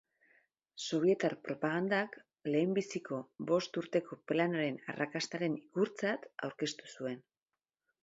Sobietar propagandak Lehenbiziko Bost Urteko Planaren arrakastaren ikurtzat aurkeztu zuen